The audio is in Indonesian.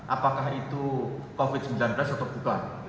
apakah itu covid sembilan belas atau bukan